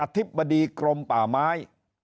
ธิบดีกรมป่าไม้